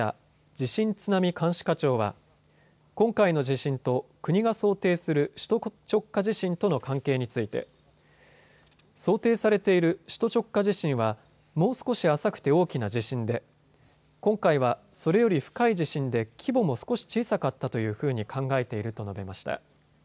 地震津波監視課長は今回の地震と国が想定する首都直下地震との関係について想定されている首都直下地震はもう少し浅くて大きな地震で今回はそれより深い地震で規模も少し小さかったというふうに考えていると述べました。